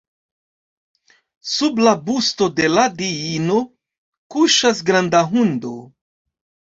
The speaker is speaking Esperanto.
Sub la busto de la diino kuŝas granda hundo.